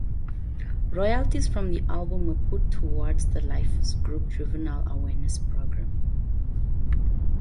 Royalties from the album were put toward the Lifers Group Juvenile Awareness Program.